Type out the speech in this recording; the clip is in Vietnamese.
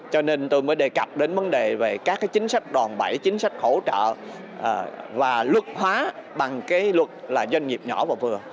cho nên tôi mới đề cập đến vấn đề về các chính sách đòn bẩy chính sách hỗ trợ và luật hóa bằng cái luật là doanh nghiệp nhỏ và vừa